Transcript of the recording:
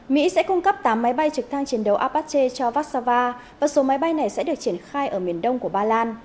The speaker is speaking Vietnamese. mỹ sẽ cung cấp tám máy bay trực thăng chiến đấu abache cho vassava và số máy bay này sẽ được triển khai ở miền đông của ba lan